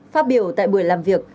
phát biểu tại buổi làm việc